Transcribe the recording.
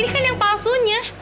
ini kan yang palsunya